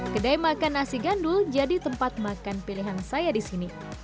kedai makan nasi gandul jadi tempat makan pilihan saya di sini